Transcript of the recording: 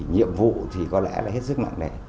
nhiệm vụ có lẽ là hết sức nặng nẻ